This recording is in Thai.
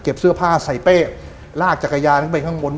เก็บเสื้อผ้าใส่เป้ลากจักรยานข้างบน